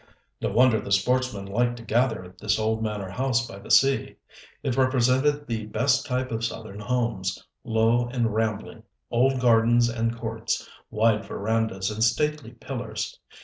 No wonder the sportsmen liked to gather at this old manor house by the sea. It represented the best type of southern homes low and rambling, old gardens and courts, wide verandas and stately pillars.